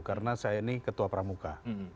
karena saya ini ketua pramuka